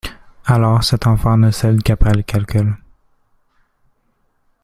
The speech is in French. Alors cette enfant ne cède qu'après le calcul.